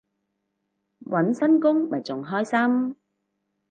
搵新工咪仲開心